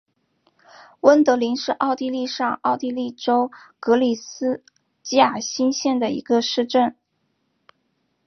温德灵是奥地利上奥地利州格里斯基尔兴县的一个市镇。